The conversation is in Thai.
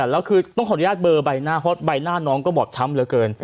แล้วคือต้องขออนุญาตเบอร์ใบหน้าเพราะใบหน้าน้องก็บอบช้ำเหลือเกิน